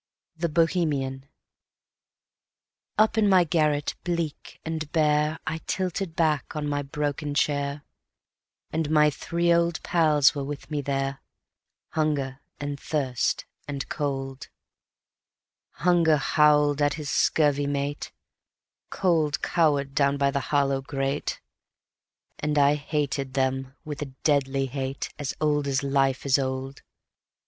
The Bohemian Up in my garret bleak and bare I tilted back on my broken chair, And my three old pals were with me there, Hunger and Thirst and Cold; Hunger scowled at his scurvy mate: Cold cowered down by the hollow grate, And I hated them with a deadly hate As old as life is old.